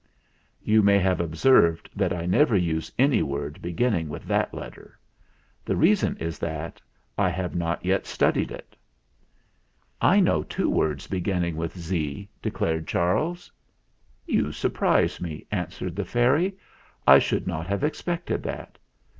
You may have observed that I never use any word beginning with that let ter. The reason is that I have not yet studied it." "I know two words beginning with *z,' " de clared Charles. "You surprise me," answered the fairy. "I should not have expected that.